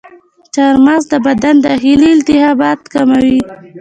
چارمغز د بدن داخلي التهابات کموي.